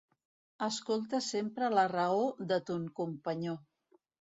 Escolta sempre la raó de ton companyó.